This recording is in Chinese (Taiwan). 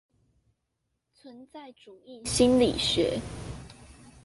存在主義心理學